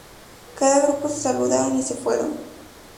Cada grupo se saludaron y se fueron.